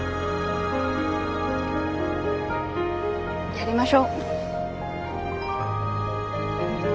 やりましょう。